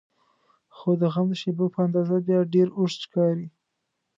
خو د غم د شیبو په اندازه بیا ډېر اوږد ښکاري.